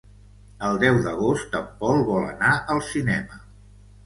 El deu d'agost en Pol vol anar al cinema.